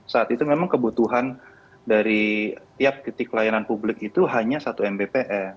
saat itu memang kebutuhan dari tiap titik layanan publik itu hanya satu mbps